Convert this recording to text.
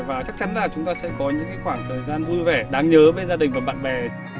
và chắc chắn là chúng ta sẽ có những khoảng thời gian vui vẻ đáng nhớ với gia đình và bạn bè